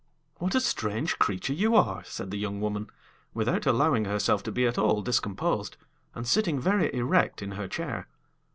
"What a strange creature you are," said the young woman, without allowing herself to be at all discomposed, and sitting very erect in her chair.